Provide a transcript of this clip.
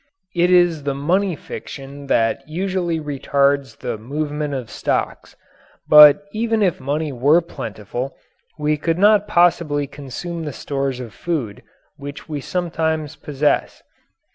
It is the money fiction that usually retards the movement of stocks, but even if money were plentiful we could not possibly consume the stores of food which we sometimes possess.